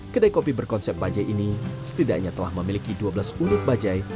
kedai kopi berkonsep bajaj ini setidaknya telah memiliki dua belas unit bajai